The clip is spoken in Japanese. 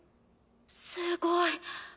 すごい。